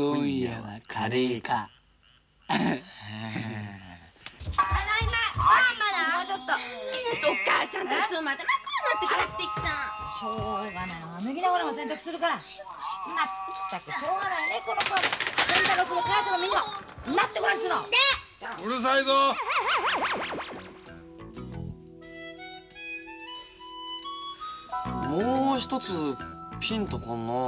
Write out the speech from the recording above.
もう一つピンと来んのう。